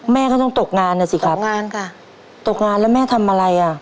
แม่ก็ต้องตกงานนะสิครับตกงานค่ะตกงานแล้วแม่ทำอะไรอ่ะ